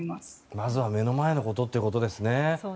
まずは目の前のことということですね。